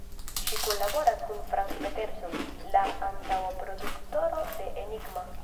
Ŝi kunlaboras kun Frank Peterson, la antaŭa produktoro de Enigma.